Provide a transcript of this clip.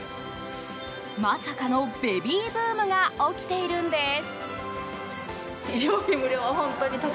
まさかのベビーブームが起きているんです。